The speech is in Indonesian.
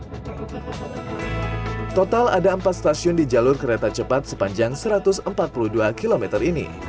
total ada empat stasiun di jalur kereta cepat sepanjang satu ratus empat puluh dua km ini